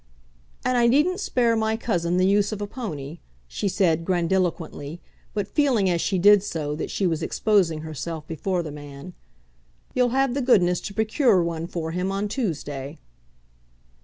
"And I needn't spare my cousin the use of a pony," she said grandiloquently, but feeling as she did so that she was exposing herself before the man. "You'll have the goodness to procure one for him on Tuesday."